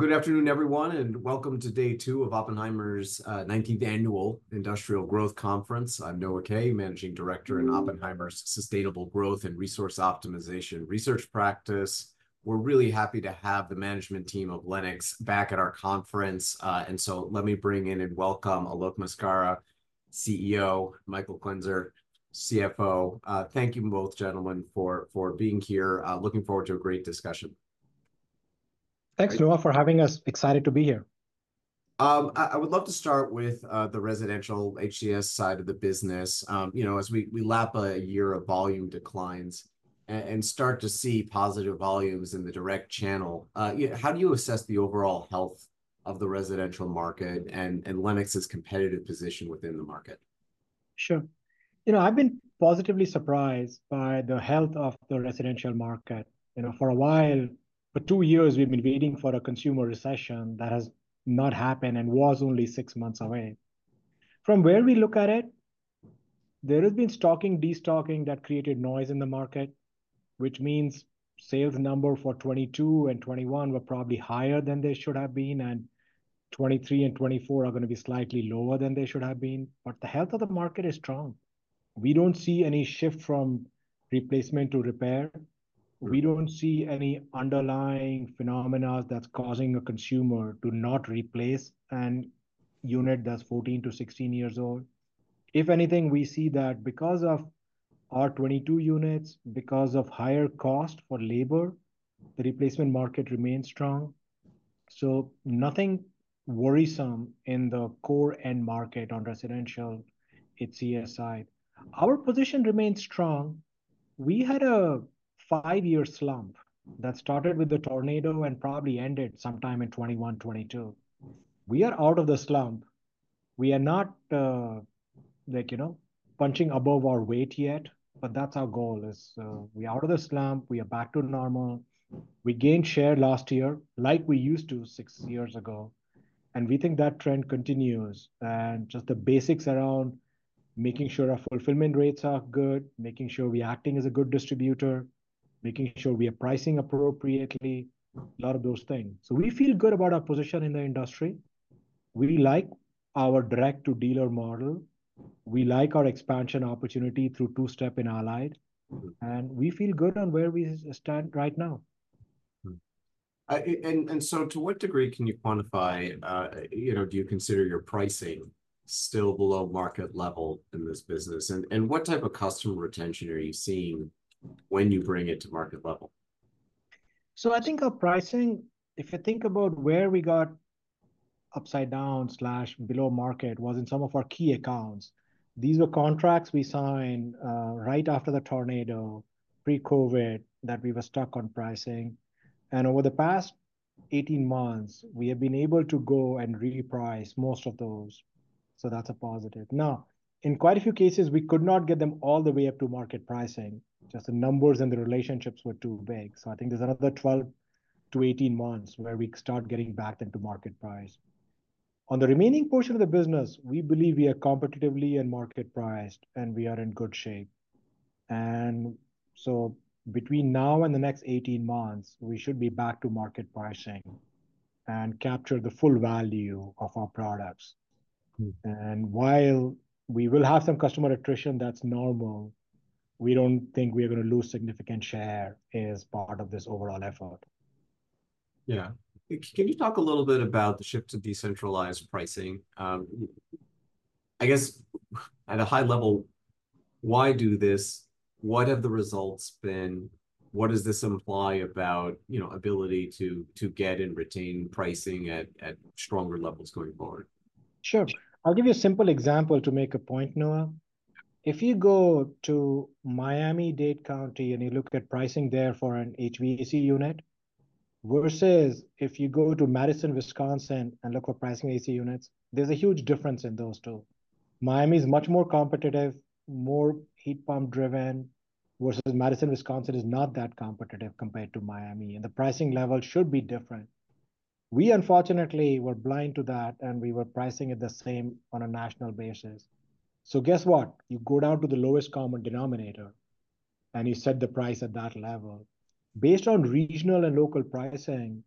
Well, good afternoon, everyone, and welcome to day two of Oppenheimer's 19th Annual Industrial Growth Conference. I'm Noah Kaye, Managing Director in Oppenheimer's Sustainable Growth and Resource Optimization Research Practice. We're really happy to have the management team of Lennox back at our conference, and so let me bring in and welcome Alok Maskara, CEO, Michael Quenzer, CFO. Thank you both, gentlemen, for, for being here. Looking forward to a great discussion. Thanks, Noah, for having us. Excited to be here. I would love to start with the residential HVAC side of the business. You know, as we lap a year of volume declines and start to see positive volumes in the direct channel, you know, how do you assess the overall health of the residential market and Lennox's competitive position within the market? Sure. You know, I've been positively surprised by the health of the residential market. You know, for a while, for two years, we've been waiting for a consumer recession that has not happened and was only six months away. From where we look at it, there has been stocking destocking that created noise in the market, which means sales number for 2022 and 2021 were probably higher than they should have been, and 2023 and 2024 are gonna be slightly lower than they should have been. But the health of the market is strong. We don't see any shift from replacement to repair. We don't see any underlying phenomenon that's causing a consumer to not replace an unit that's 14-16 years old. If anything, we see that because of our 2022 units, because of higher cost for labor, the replacement market remains strong. So nothing worrisome in the core end market on residential HCS side. Our position remains strong. We had a five-year slump that started with the tornado and probably ended sometime in 2021, 2022. We are out of the slump. We are not, like, you know, punching above our weight yet, but that's our goal is, we are out of the slump. We are back to normal. We gained share last year like we used to six years ago. We think that trend continues. Just the basics around making sure our fulfillment rates are good, making sure we are acting as a good distributor, making sure we are pricing appropriately, a lot of those things. So we feel good about our position in the industry. We like our direct-to-dealer model. We like our expansion opportunity through two-step and Allied. We feel good on where we stand right now. To what degree can you quantify, you know, do you consider your pricing still below market level in this business? And what type of customer retention are you seeing when you bring it to market level? So I think our pricing, if you think about where we got upside down, below market, was in some of our key accounts. These were contracts we signed, right after the tornado, pre-COVID, that we were stuck on pricing. And over the past 18 months, we have been able to go and reprice most of those. So that's a positive. Now, in quite a few cases, we could not get them all the way up to market pricing. Just the numbers and the relationships were too big. So I think there's another 12-18 months where we start getting them back to market price. On the remaining portion of the business, we believe we are competitively and market priced, and we are in good shape. And so between now and the next 18 months, we should be back to market pricing and capture the full value of our products. While we will have some customer attrition that's normal, we don't think we are gonna lose significant share as part of this overall effort. Yeah. Can you talk a little bit about the shift to decentralized pricing? I guess at a high level, why do this? What have the results been? What does this imply about, you know, ability to get and retain pricing at stronger levels going forward? Sure. I'll give you a simple example to make a point, Noah. If you go to Miami-Dade County and you look at pricing there for an HVAC unit versus if you go to Madison, Wisconsin, and look for pricing AC units, there's a huge difference in those two. Miami's much more competitive, more heat pump-driven, versus Madison, Wisconsin is not that competitive compared to Miami. And the pricing level should be different. We, unfortunately, were blind to that, and we were pricing it the same on a national basis. So guess what? You go down to the lowest common denominator, and you set the price at that level. Based on regional and local pricing,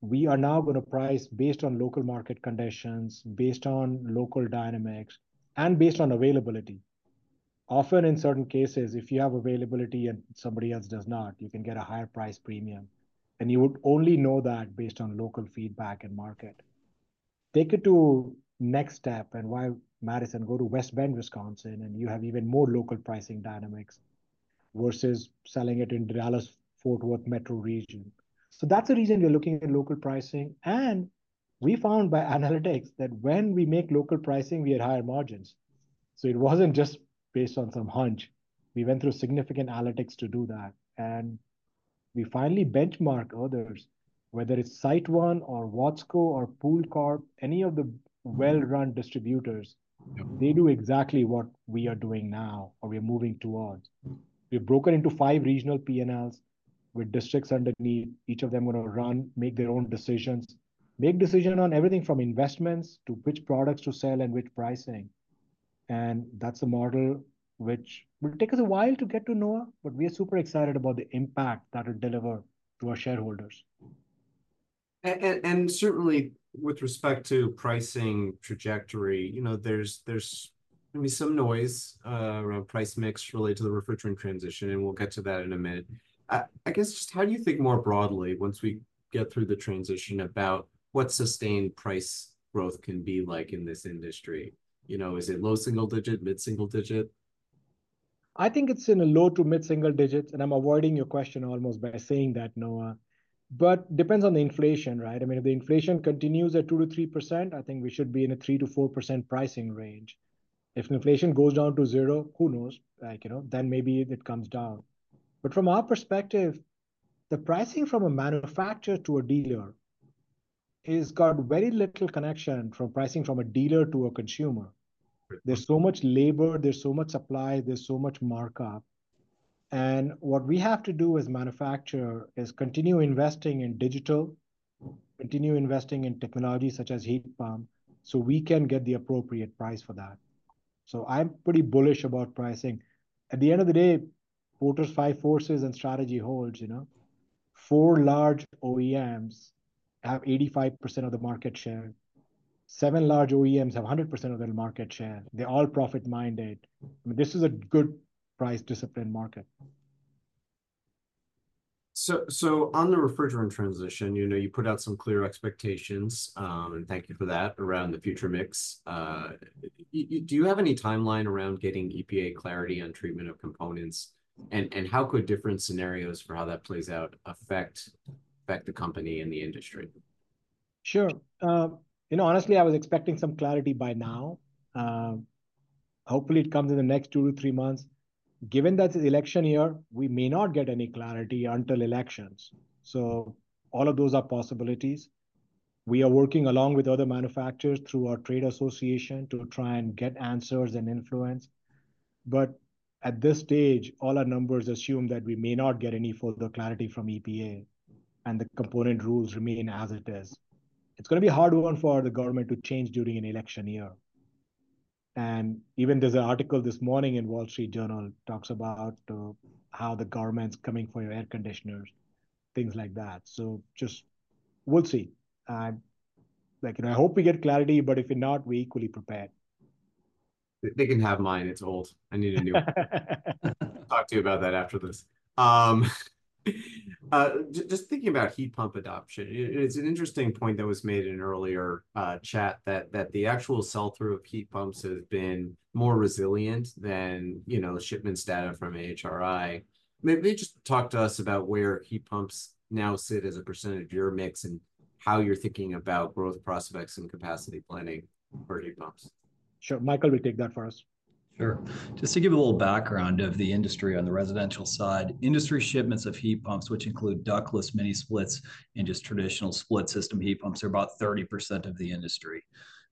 we are now gonna price based on local market conditions, based on local dynamics, and based on availability. Often in certain cases, if you have availability and somebody else does not, you can get a higher price premium. You would only know that based on local feedback and market. Take it to next step and why Madison, go to West Bend, Wisconsin, and you have even more local pricing dynamics versus selling it in Dallas-Fort Worth Metro region. So that's the reason we are looking at local pricing. And we found by analytics that when we make local pricing, we had higher margins. So it wasn't just based on some hunch. We went through significant analytics to do that. And we finally benchmark others, whether it's SiteOne or Watsco or PoolCorp, any of the well-run distributors. Yeah. They do exactly what we are doing now or we are moving towards. We've broken into five regional P&Ls with districts underneath, each of them gonna run, make their own decisions, make decision on everything from investments to which products to sell and which pricing. And that's a model which will take us a while to get to, Noah, but we are super excited about the impact that it delivered to our shareholders. And certainly with respect to pricing trajectory, you know, there's gonna be some noise around price mix related to the refrigerant transition, and we'll get to that in a minute. I guess just how do you think more broadly once we get through the transition about what sustained price growth can be like in this industry? You know, is it low single digit, mid single digit? I think it's in a low to mid single digit. And I'm avoiding your question almost by saying that, Noah. But depends on the inflation, right? I mean, if the inflation continues at 2%-3%, I think we should be in a 3%-4% pricing range. If inflation goes down to 0, who knows? Like, you know, then maybe it comes down. But from our perspective, the pricing from a manufacturer to a dealer has got very little connection from pricing from a dealer to a consumer. There's so much labor. There's so much supply. There's so much markup. And what we have to do as manufacturers is continue investing in digital, continue investing in technology such as heat pump so we can get the appropriate price for that. So I'm pretty bullish about pricing. At the end of the day, Porter's Five Forces and strategy holds, you know. Four large OEMs have 85% of the market share. Seven large OEMs have 100% of their market share. They're all profit-minded. I mean, this is a good price discipline market. So, on the refrigerant transition, you know, you put out some clear expectations, and thank you for that, around the future mix. Do you have any timeline around getting EPA clarity on treatment of components? And, how could different scenarios for how that plays out affect the company and the industry? Sure. You know, honestly, I was expecting some clarity by now. Hopefully it comes in the next two to three months. Given that it's election year, we may not get any clarity until elections. So all of those are possibilities. We are working along with other manufacturers through our trade association to try and get answers and influence. But at this stage, all our numbers assume that we may not get any further clarity from EPA, and the component rules remain as it is. It's gonna be a hard one for the government to change during an election year. And even there's an article this morning in Wall Street Journal that talks about how the government's coming for your air conditioners, things like that. So just we'll see. Like, you know, I hope we get clarity, but if not, we're equally prepared. They can have mine. It's old. I need a new one. I'll talk to you about that after this. Just thinking about heat pump adoption, you know, it's an interesting point that was made in earlier chat that the actual sell-through of heat pumps has been more resilient than, you know, shipment data from AHRI. May just talk to us about where heat pumps now sit as a percentage of your mix and how you're thinking about growth prospects and capacity planning for heat pumps? Sure. Michael will take that for us. Sure. Just to give a little background of the industry on the residential side, industry shipments of heat pumps, which include ductless mini splits and just traditional split system heat pumps, are about 30% of the industry.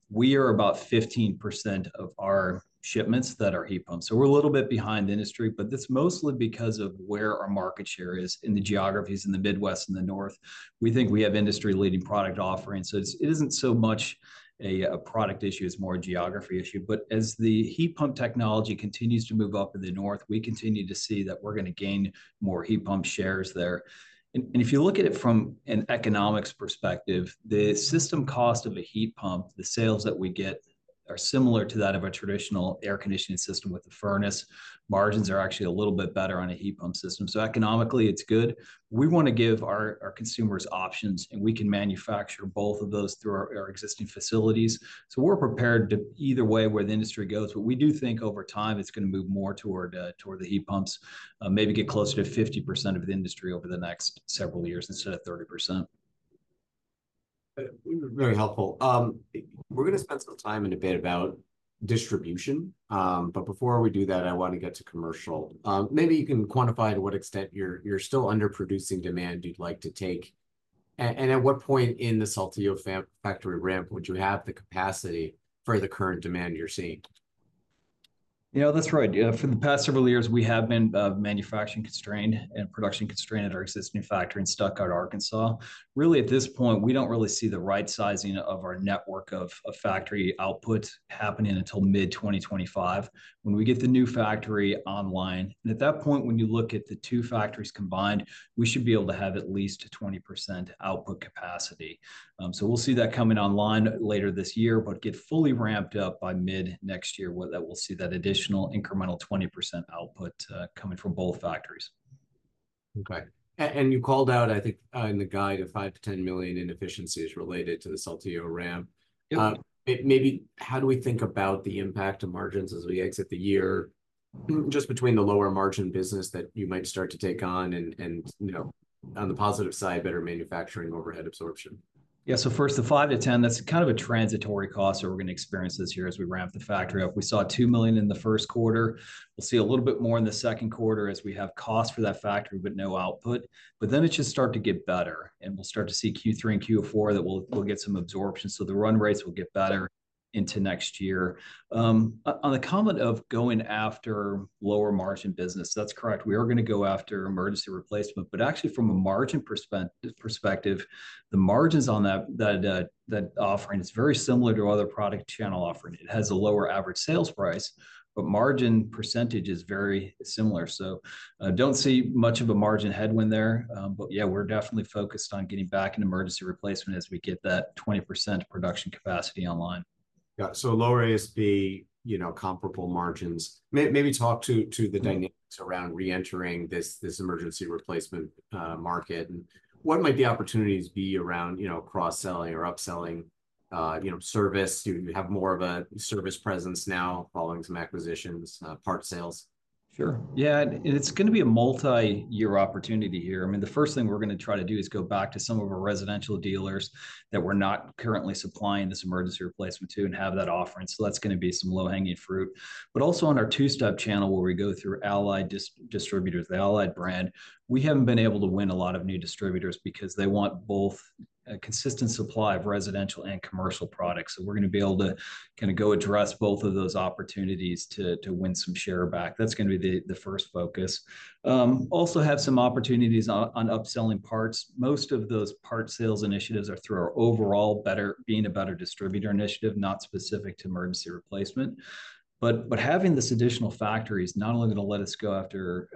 We are about 15% of our shipments that are heat pumps. So we're a little bit behind the industry, but that's mostly because of where our market share is in the geographies, in the Midwest and the North. We think we have industry-leading product offerings. So it's, it isn't so much a, a product issue. It's more a geography issue. But as the heat pump technology continues to move up in the North, we continue to see that we're gonna gain more heat pump shares there. If you look at it from an economics perspective, the system cost of a heat pump, the sales that we get are similar to that of a traditional air conditioning system with a furnace. Margins are actually a little bit better on a heat pump system. So economically, it's good. We wanna give our, our consumers options, and we can manufacture both of those through our, our existing facilities. So we're prepared to either way where the industry goes. But we do think over time, it's gonna move more toward, toward the heat pumps, maybe get closer to 50% of the industry over the next several years instead of 30%. Very helpful. We're gonna spend some time in a bit about distribution. But before we do that, I wanna get to commercial. Maybe you can quantify to what extent you're still underproducing demand you'd like to take. And at what point in the Saltillo fan factory ramp would you have the capacity for the current demand you're seeing? Yeah, that's right. For the past several years, we have been manufacturing constrained and production constrained at our existing factory in Stuttgart, Arkansas. Really, at this point, we don't really see the right sizing of our network of factory output happening until mid-2025 when we get the new factory online. And at that point, when you look at the two factories combined, we should be able to have at least 20% output capacity. So we'll see that coming online later this year, but get fully ramped up by mid-next year where that we'll see that additional incremental 20% output coming from both factories. Okay. And you called out, I think, in the guide of $5 million-$10 million inefficiencies related to the Saltillo ramp. Yeah. Maybe how do we think about the impact of margins as we exit the year just between the lower margin business that you might start to take on and, and, you know, on the positive side, better manufacturing overhead absorption? Yeah. So first, the $5 million-$10 million, that's kind of a transitory cost that we're gonna experience this year as we ramp the factory up. We saw $2 million in the first quarter. We'll see a little bit more in the second quarter as we have cost for that factory but no output. But then it should start to get better. And we'll start to see Q3 and Q4 that we'll get some absorption. So the run rates will get better into next year. On the comment of going after lower margin business, that's correct. We are gonna go after emergency replacement. But actually, from a margin perspective, the margins on that offering, it's very similar to other product channel offering. It has a lower average sales price, but margin percentage is very similar. So, don't see much of a margin headwind there. But yeah, we're definitely focused on getting back in emergency replacement as we get that 20% production capacity online. Got it. So lower ASP, you know, comparable margins. Maybe talk to the dynamics around reentering this emergency replacement market. And what might the opportunities be around, you know, cross-selling or upselling, you know, service? Do you have more of a service presence now following some acquisitions, part sales? Sure. Yeah. And it's gonna be a multi-year opportunity here. I mean, the first thing we're gonna try to do is go back to some of our residential dealers that we're not currently supplying this emergency replacement to and have that offering. So that's gonna be some low-hanging fruit. But also on our two-step channel where we go through Allied distributors, the Allied brand, we haven't been able to win a lot of new distributors because they want both a consistent supply of residential and commercial products. So we're gonna be able to kinda go address both of those opportunities to win some share back. That's gonna be the first focus. Also have some opportunities on upselling parts. Most of those part sales initiatives are through our overall better being a better distributor initiative, not specific to emergency replacement. But having this additional factory is not only gonna let us go after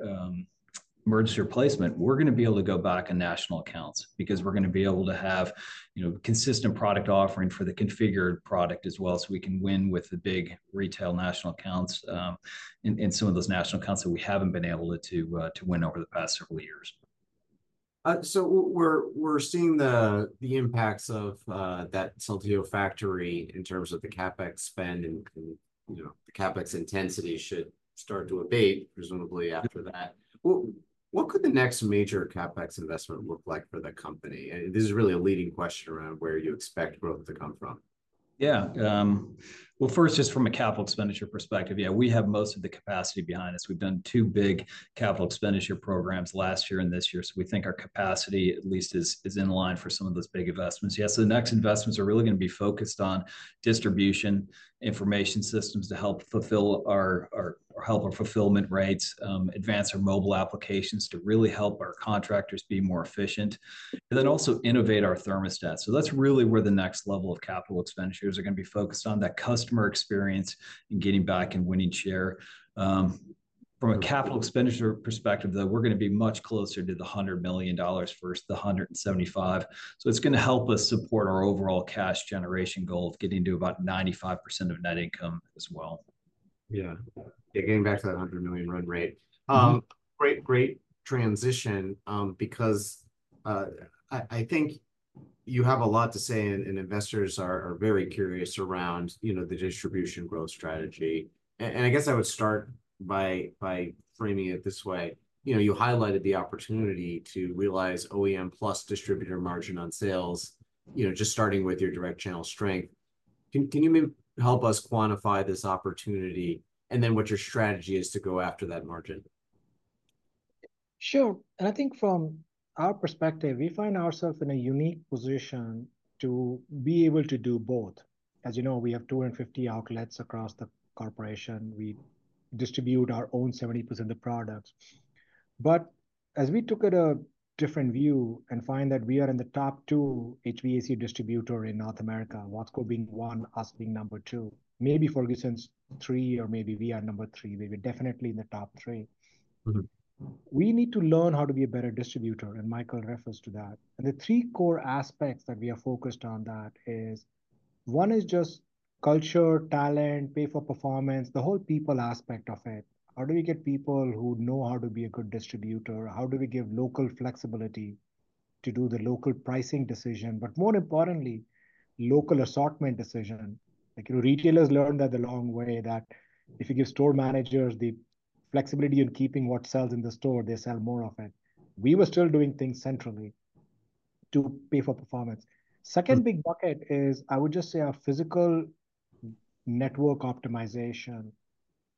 emergency replacement; we're gonna be able to go back in national accounts because we're gonna be able to have, you know, consistent product offering for the configured product as well so we can win with the big retail national accounts, in some of those national accounts that we haven't been able to win over the past several years. So we're seeing the impacts of that Saltillo factory in terms of the CapEx spend and you know the CapEx intensity should start to abate presumably after that. What could the next major CapEx investment look like for the company? And this is really a leading question around where you expect growth to come from. Yeah. Well, first, just from a capital expenditure perspective, yeah, we have most of the capacity behind us. We've done two big capital expenditure programs last year and this year. So we think our capacity at least is in line for some of those big investments. Yeah. So the next investments are really gonna be focused on distribution information systems to help our fulfillment rates, advance our mobile applications to really help our contractors be more efficient, and then also innovate our thermostats. So that's really where the next level of capital expenditures are gonna be focused on, that customer experience and getting back and winning share. From a capital expenditure perspective, though, we're gonna be much closer to the $100 million first, the $175. So it's gonna help us support our overall cash generation goal of getting to about 95% of net income as well. Yeah. Yeah. Getting back to that $100 million run rate. Great, great transition, because I think you have a lot to say and investors are very curious around, you know, the distribution growth strategy. And I guess I would start by framing it this way. You know, you highlighted the opportunity to realize OEM plus distributor margin on sales, you know, just starting with your direct channel strength. Can you maybe help us quantify this opportunity and then what your strategy is to go after that margin? Sure. And I think from our perspective, we find ourselves in a unique position to be able to do both. As you know, we have 250 outlets across the corporation. We distribute our own 70% of the products. But as we took a different view and find that we are in the top two HVAC distributor in North America, Watsco being one, us being number two, maybe Ferguson's three, or maybe we are number three. We were definitely in the top three. We need to learn how to be a better distributor. Michael refers to that. The three core aspects that we are focused on that is one is just culture, talent, pay-for-performance, the whole people aspect of it. How do we get people who know how to be a good distributor? How do we give local flexibility to do the local pricing decision, but more importantly, local assortment decision? Like, you know, retailers learned that the long way that if you give store managers the flexibility in keeping what sells in the store, they sell more of it. We were still doing things centrally to pay-for-performance. Second big bucket is, I would just say, our physical network optimization.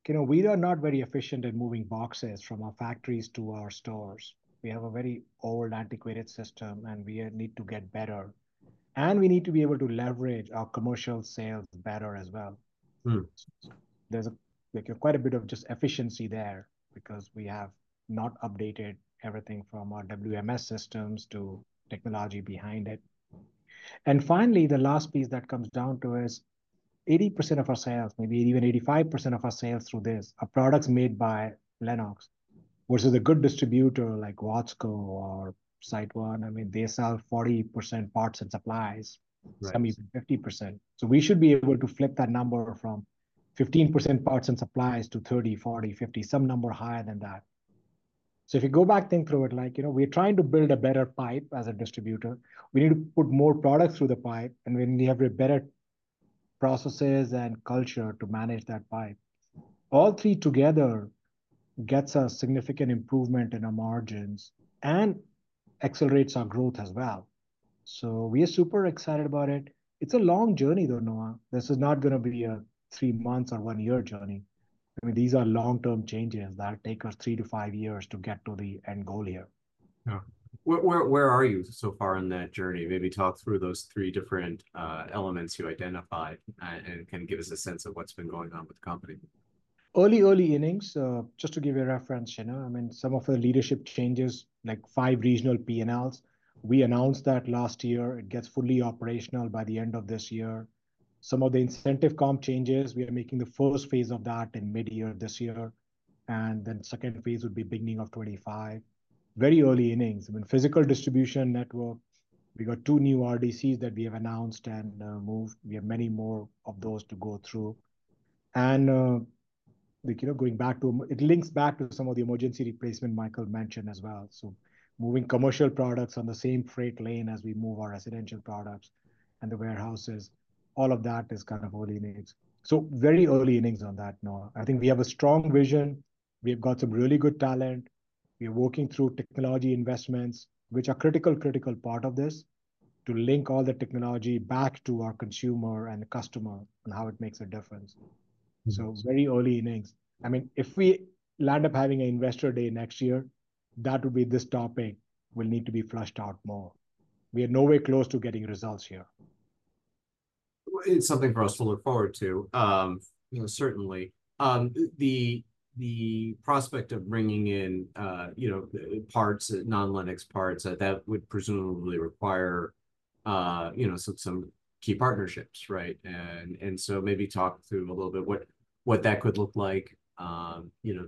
You know, we are not very efficient at moving boxes from our factories to our stores. We have a very old, antiquated system, and we need to get better. We need to be able to leverage our commercial sales better as well. There's a, like, quite a bit of just efficiency there because we have not updated everything from our WMS systems to technology behind it. And finally, the last piece that comes down to is 80% of our sales, maybe even 85% of our sales through this, are products made by Lennox versus a good distributor like Watsco or SiteOne. I mean, they sell 40% parts and supplies. Right. Some even 50%. So we should be able to flip that number from 15% parts and supplies to 30, 40, 50, some number higher than that. So if you go back, think through it, like, you know, we're trying to build a better pipe as a distributor. We need to put more products through the pipe. And when we have better processes and culture to manage that pipe, all three together gets us significant improvement in our margins and accelerates our growth as well. So we are super excited about it. It's a long journey, though, Noah. This is not gonna be a three-month or one-year journey. I mean, these are long-term changes that'll take us three to five years to get to the end goal here. Yeah. Where, where, where are you so far in that journey? Maybe talk through those three different elements you identified, and kinda give us a sense of what's been going on with the company. Early, early innings, just to give you a reference, Shina. I mean, some of the leadership changes, like five regional P&Ls, we announced that last year. It gets fully operational by the end of this year. Some of the incentive comp changes, we are making the first phase of that in mid-year this year. And then second phase would be beginning of 2025. Very early innings. I mean, physical distribution network, we got two new RDCs that we have announced and moved. We have many more of those to go through. And, like, you know, going back to it links back to some of the emergency replacement Michael mentioned as well. So moving commercial products on the same freight lane as we move our residential products and the warehouses, all of that is kind of early innings. So very early innings on that, Noah. I think we have a strong vision. We have got some really good talent. We are working through technology investments, which are a critical, critical part of this to link all the technology back to our consumer and the customer and how it makes a difference. So very early innings. I mean, if we land up having an investor day next year, that would be this topic will need to be flushed out more. We are nowhere close to getting results here. It's something for us to look forward to, you know, certainly. The prospect of bringing in, you know, the parts, non-Lennox parts, that would presumably require, you know, some key partnerships, right? And so maybe talk through a little bit what that could look like, you know,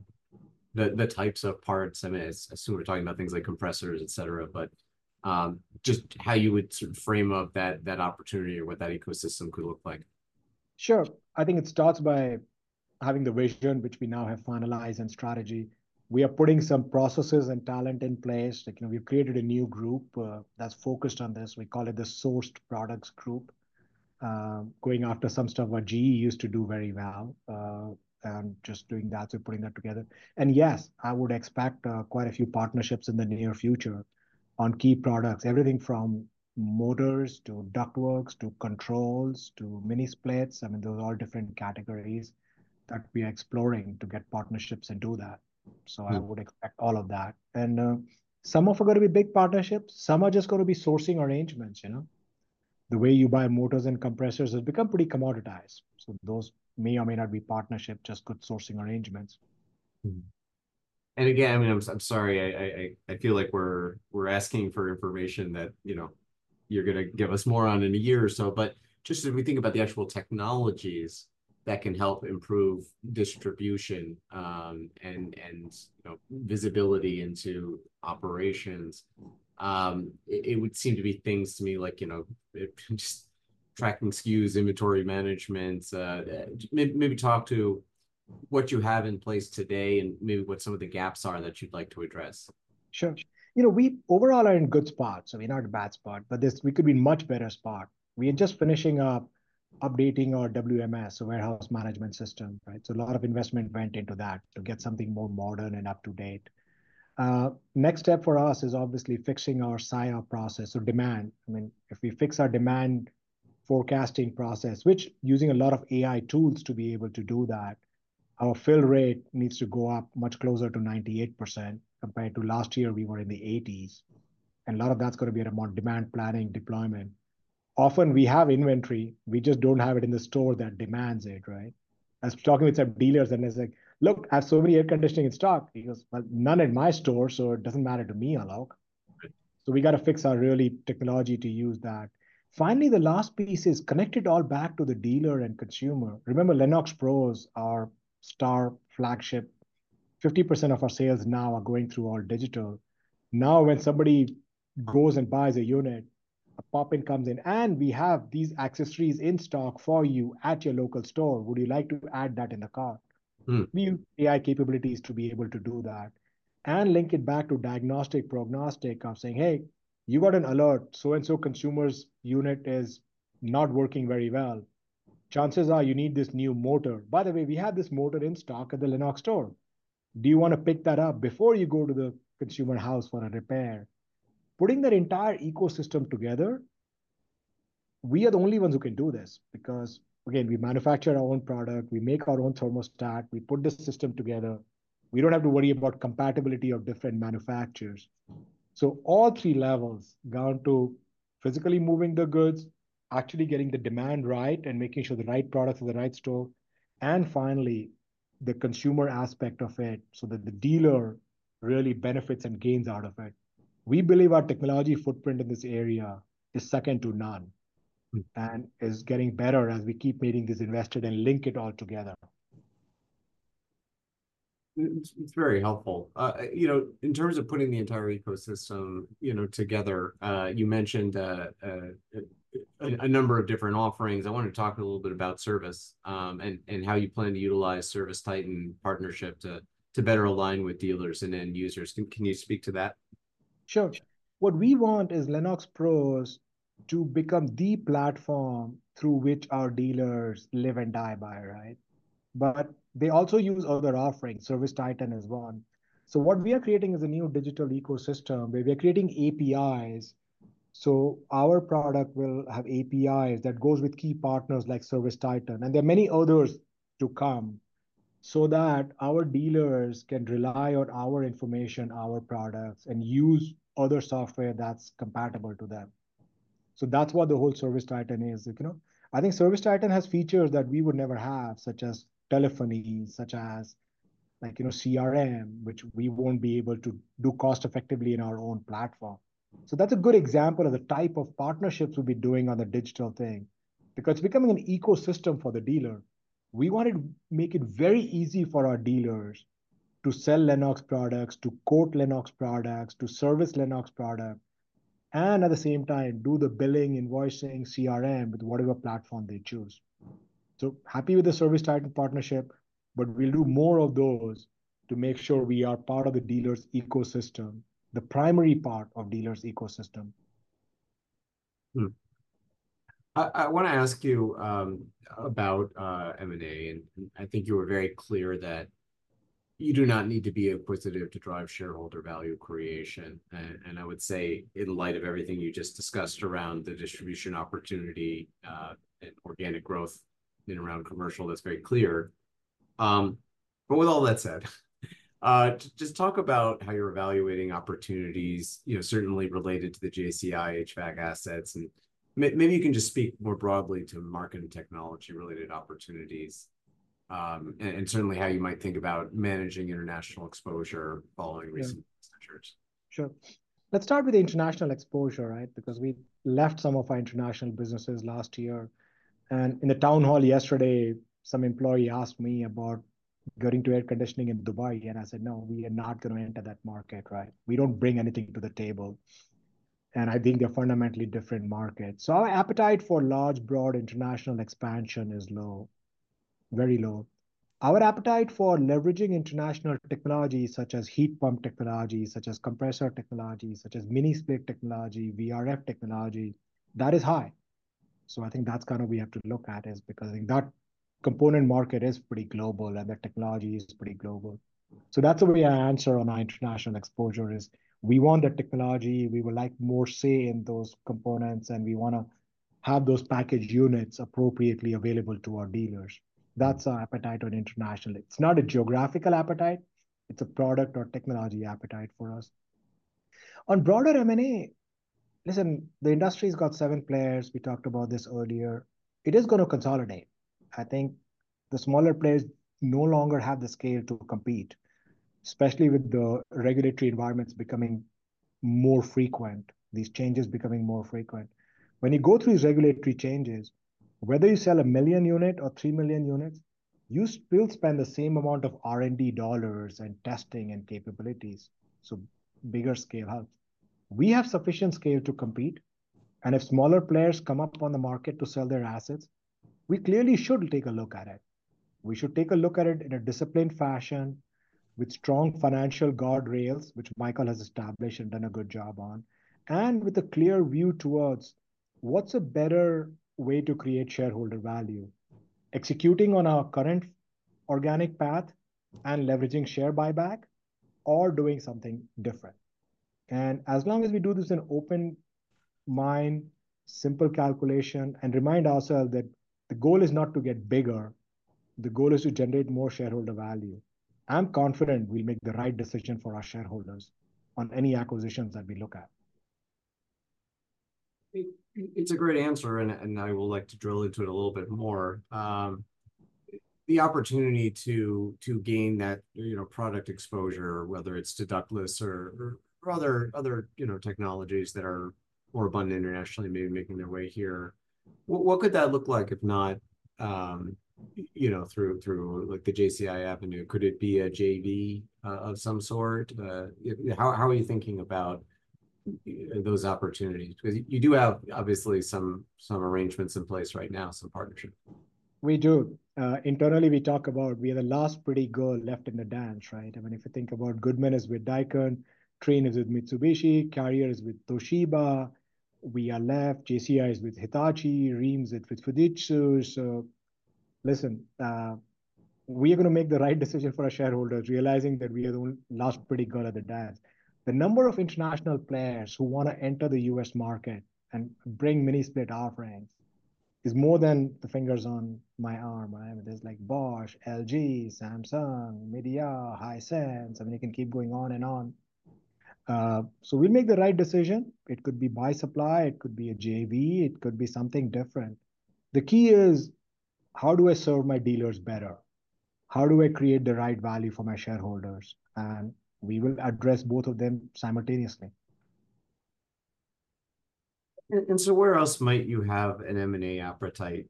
the types of parts. I mean, I assume we're talking about things like compressors, etc., but just how you would sort of frame up that opportunity or what that ecosystem could look like. Sure. I think it starts by having the vision, which we now have finalized and strategy. We are putting some processes and talent in place. Like, you know, we've created a new group, that's focused on this. We call it the Sourced Products Group, going after some stuff what GE used to do very well, and just doing that. So putting that together. Yes, I would expect quite a few partnerships in the near future on key products, everything from motors to ductworks to controls to mini splits. I mean, those are all different categories that we are exploring to get partnerships and do that. So I would expect all of that. Some of them are gonna be big partnerships. Some are just gonna be sourcing arrangements, you know. The way you buy motors and compressors has become pretty commoditized. Those may or may not be partnerships, just good sourcing arrangements. And again, I mean, I'm sorry. I feel like we're asking for information that, you know, you're gonna give us more on in a year or so. But just as we think about the actual technologies that can help improve distribution, and you know, visibility into operations, it would seem to be things to me like, you know, just tracking SKUs, inventory management, maybe talk to what you have in place today and maybe what some of the gaps are that you'd like to address. Sure. You know, we overall are in good spots. I mean, not a bad spot, but this we could be in a much better spot. We are just finishing up updating our WMS, our warehouse management system, right? So a lot of investment went into that to get something more modern and up-to-date. Next step for us is obviously fixing our SIOP process or demand. I mean, if we fix our demand forecasting process, which using a lot of AI tools to be able to do that, our fill rate needs to go up much closer to 98% compared to last year. We were in the 80s. And a lot of that's gonna be a demand planning deployment. Often, we have inventory. We just don't have it in the store that demands it, right? I was talking with some dealers, and I was like, "Look, I have so many air conditioning in stock." He goes, "Well, none in my store, so it doesn't matter to me, Alok. So we gotta fix our RDC technology to use that." Finally, the last piece is connected all back to the dealer and consumer. Remember, LennoxPros are star flagship. 50% of our sales now are going through all digital. Now, when somebody goes and buys a unit, a pop-in comes in, and we have these accessories in stock for you at your local store. Would you like to add that in the cart? We use AI capabilities to be able to do that and link it back to diagnostic, prognostic of saying, "Hey, you got an alert. So-and-so consumer's unit is not working very well. Chances are you need this new motor. By the way, we have this motor in stock at the Lennox store. Do you wanna pick that up before you go to the consumer house for a repair?" Putting that entire ecosystem together, we are the only ones who can do this because, again, we manufacture our own product. We make our own thermostat. We put this system together. We don't have to worry about compatibility of different manufacturers. So all three levels go into physically moving the goods, actually getting the demand right and making sure the right products at the right store, and finally, the consumer aspect of it so that the dealer really benefits and gains out of it. We believe our technology footprint in this area is second to none and is getting better as we keep getting this invested and link it all together. It's very helpful, you know, in terms of putting the entire ecosystem, you know, together. You mentioned a number of different offerings. I wanna talk a little bit about service, and how you plan to utilize ServiceTitan partnership to better align with dealers and then users. Can you speak to that? Sure. What we want is LennoxPros to become the platform through which our dealers live and die by, right? But they also use other offerings. ServiceTitan is one. So what we are creating is a new digital ecosystem where we are creating APIs. So our product will have APIs that go with key partners like ServiceTitan. And there are many others to come so that our dealers can rely on our information, our products, and use other software that's compatible to them. So that's what the whole ServiceTitan is. You know, I think ServiceTitan has features that we would never have, such as telephony, such as, like, you know, CRM, which we won't be able to do cost-effectively in our own platform. So that's a good example of the type of partnerships we'll be doing on the digital thing because it's becoming an ecosystem for the dealer. We wanted to make it very easy for our dealers to sell Lennox products, to quote Lennox products, to service Lennox products, and at the same time, do the billing, invoicing, CRM with whatever platform they choose. So happy with the ServiceTitan partnership, but we'll do more of those to make sure we are part of the dealer's ecosystem, the primary part of the dealer's ecosystem. I wanna ask you about M&A. And I think you were very clear that you do not need to be acquisitive to drive shareholder value creation. And I would say in light of everything you just discussed around the distribution opportunity, and organic growth and around commercial, that's very clear. But with all that said, just talk about how you're evaluating opportunities, you know, certainly related to the JCI HVAC assets. And maybe you can just speak more broadly to market and technology-related opportunities, and certainly how you might think about managing international exposure following recent ventures. Sure. Let's start with the international exposure, right, because we left some of our international businesses last year. In the town hall yesterday, some employee asked me about going to air conditioning in Dubai. And I said, "No, we are not gonna enter that market, right? We don't bring anything to the table." And I think they're fundamentally different markets. So our appetite for large, broad international expansion is low, very low. Our appetite for leveraging international technologies such as heat pump technologies, such as compressor technologies, such as mini split technology, VRF technology, that is high. So I think that's kinda what we have to look at is because I think that component market is pretty global, and that technology is pretty global. So that's the way I answer on our international exposure is we want that technology. We would like more say in those components, and we wanna have those package units appropriately available to our dealers. That's our appetite on international. It's not a geographical appetite. It's a product or technology appetite for us. On broader M&A, listen, the industry's got seven players. We talked about this earlier. It is gonna consolidate. I think the smaller players no longer have the scale to compete, especially with the regulatory environments becoming more frequent, these changes becoming more frequent. When you go through these regulatory changes, whether you sell 1 million units or 3 million units, you still spend the same amount of R&D dollars and testing and capabilities. So bigger scale helps. We have sufficient scale to compete. And if smaller players come up on the market to sell their assets, we clearly should take a look at it. We should take a look at it in a disciplined fashion with strong financial guardrails, which Michael has established and done a good job on, and with a clear view towards what's a better way to create shareholder value, executing on our current organic path and leveraging share buyback or doing something different. As long as we do this in an open mind, simple calculation, and remind ourselves that the goal is not to get bigger. The goal is to generate more shareholder value. I'm confident we'll make the right decision for our shareholders on any acquisitions that we look at. It's a great answer. And I would like to drill into it a little bit more. The opportunity to gain that, you know, product exposure, whether it's to Ductless or other, you know, technologies that are more abundant internationally, maybe making their way here. What could that look like if not, you know, through, like, the JCI Avenue? Could it be a JV, of some sort? How are you thinking about those opportunities? Because you do have, obviously, some arrangements in place right now, some partnerships. We do. Internally, we talk about we are the last pretty girl left in the dance, right? I mean, if you think about Goodman is with Daikin, Trane is with Mitsubishi, Carrier is with Toshiba. We are left. JCI is with Hitachi. Rheem is with Fujitsu. So listen, we are gonna make the right decision for our shareholders, realizing that we are the only last pretty girl at the dance. The number of international players who wanna enter the US market and bring mini split offerings is more than the fingers on my arm. I mean, there's, like, Bosch, LG, Samsung, Midea, Hisense. I mean, it can keep going on and on. So we'll make the right decision. It could be buy supply. It could be a JV. It could be something different. The key is, how do I serve my dealers better? How do I create the right value for my shareholders? We will address both of them simultaneously. And so where else might you have an M&A appetite,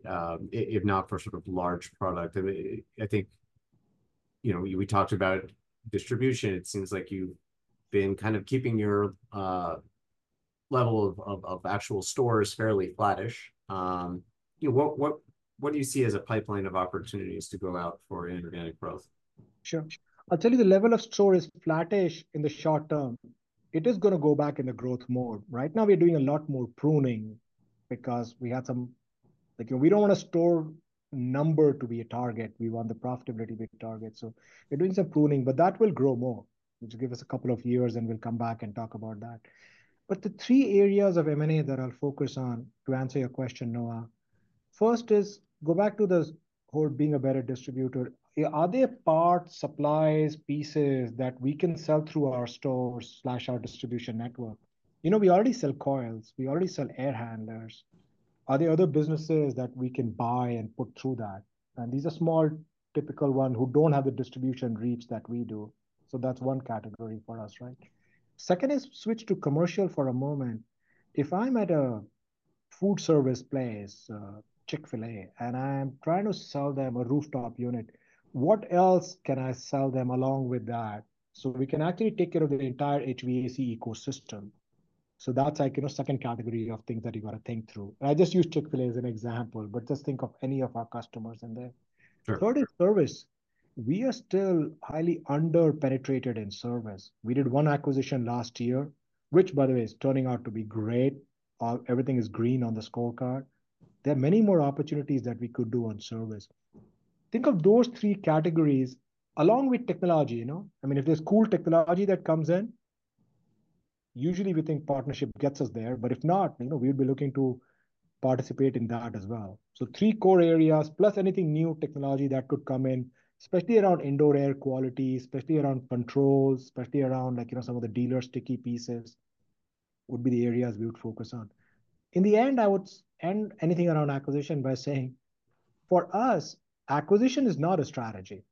if not for sort of large product? I mean, I think, you know, we talked about distribution. It seems like you've been kind of keeping your level of actual stores fairly flattish. You know, what do you see as a pipeline of opportunities to go out for organic growth? Sure. I'll tell you, the level of store is flattish in the short term. It is gonna go back in the growth mode. Right now, we're doing a lot more pruning because we had some, like, you know, we don't wanna store number to be a target. We want the profitability to be a target. So we're doing some pruning, but that will grow more. We'll just give us a couple of years, and we'll come back and talk about that. But the three areas of M&A that I'll focus on to answer your question, Noah, first is go back to the whole being a better distributor. Are there parts, supplies, pieces that we can sell through our stores/our distribution network? You know, we already sell coils. We already sell air handlers. Are there other businesses that we can buy and put through that? And these are small, typical ones who don't have the distribution reach that we do. So that's one category for us, right? Second is switch to commercial for a moment. If I'm at a food service place, Chick-fil-A, and I'm trying to sell them a rooftop unit, what else can I sell them along with that so we can actually take care of the entire HVAC ecosystem? So that's, like, you know, second category of things that you gotta think through. And I just used Chick-fil-A as an example, but just think of any of our customers in there. Sure. Third is service. We are still highly under-penetrated in service. We did one acquisition last year, which, by the way, is turning out to be great. Everything is green on the scorecard. There are many more opportunities that we could do on service. Think of those three categories along with technology, you know? I mean, if there's cool technology that comes in, usually, we think partnership gets us there. But if not, you know, we would be looking to participate in that as well. So three core areas, plus anything new technology that could come in, especially around indoor air quality, especially around controls, especially around, like, you know, some of the dealer-sticky pieces would be the areas we would focus on. In the end, I would end anything around acquisition by saying, for us, acquisition is not a strategy.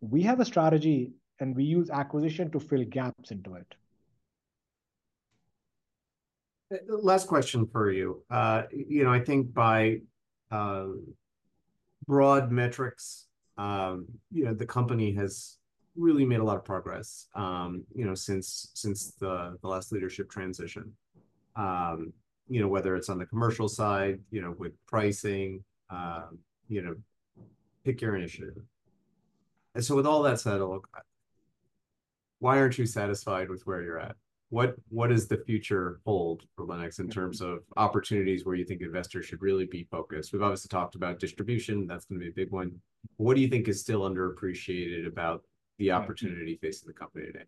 We have a strategy, and we use acquisition to fill gaps into it. Last question for you. You know, I think by broad metrics, you know, the company has really made a lot of progress, you know, since the last leadership transition. You know, whether it's on the commercial side, you know, with pricing, you know, pick your initiative. And so with all that said, look, why aren't you satisfied with where you're at? What does the future hold for Lennox in terms of opportunities where you think investors should really be focused? We've obviously talked about distribution. That's gonna be a big one. What do you think is still underappreciated about the opportunity facing the company today?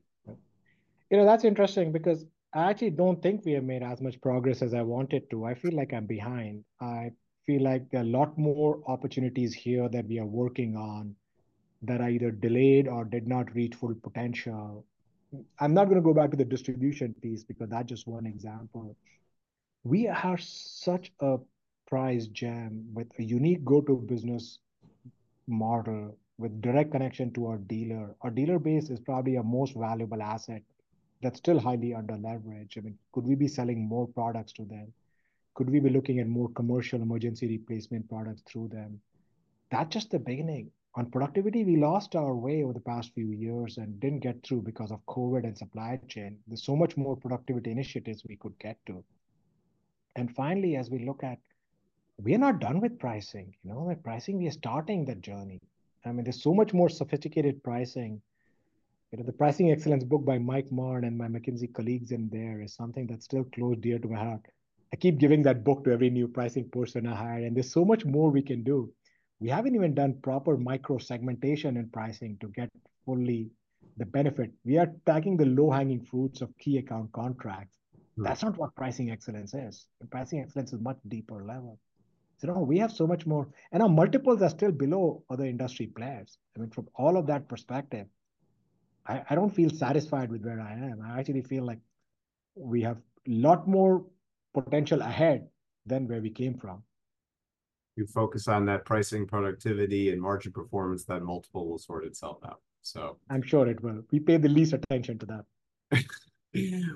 You know, that's interesting because I actually don't think we have made as much progress as I wanted to. I feel like I'm behind. I feel like there are a lot more opportunities here that we are working on that are either delayed or did not reach full potential. I'm not gonna go back to the distribution piece because that's just one example. We are such a prize gem with a unique go-to-business model with direct connection to our dealer. Our dealer base is probably our most valuable asset that's still highly under-leveraged. I mean, could we be selling more products to them? Could we be looking at more commercial emergency replacement products through them? That's just the beginning. On productivity, we lost our way over the past few years and didn't get through because of COVID and supply chain. There's so much more productivity initiatives we could get to. And finally, as we look at, we are not done with pricing, you know? With pricing, we are starting that journey. I mean, there's so much more sophisticated pricing. You know, the Pricing Excellence book by Mike Marn and my McKinsey colleagues in there is something that's still close dear to my heart. I keep giving that book to every new pricing person I hire. And there's so much more we can do. We haven't even done proper micro-segmentation in pricing to get fully the benefit. We are tagging the low-hanging fruits of key account contracts. That's not what pricing excellence is. Pricing excellence is a much deeper level. So no, we have so much more. And our multiples are still below other industry players. I mean, from all of that perspective, I don't feel satisfied with where I am. I actually feel like we have a lot more potential ahead than where we came from. You focus on that pricing, productivity, and margin performance that multiple will sort itself out, so. I'm sure it will. We pay the least attention to that.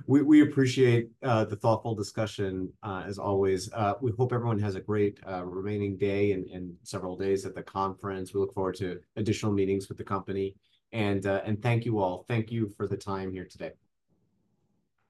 We appreciate the thoughtful discussion, as always. We hope everyone has a great remaining day and several days at the conference. We look forward to additional meetings with the company. Thank you all. Thank you for the time here today.